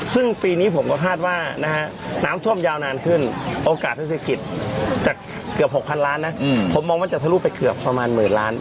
ซึ่งปีนี้ผมก็คาดว่านะฮะน้ำท่วมยาวนานขึ้นโอกาสเทศกิจจากเกือบ๖๐๐ล้านนะผมมองว่าจะทะลุไปเกือบประมาณหมื่นล้าน